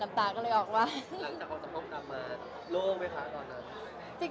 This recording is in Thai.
หลังจากความทรงจำกลับมาโล่งไหมคะตอนนั้น